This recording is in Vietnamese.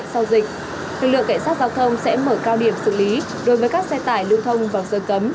lực lượng kệ sát giao thông sẽ mở cao điểm xử lý đối với các xe tải lưu thông vào giờ cấm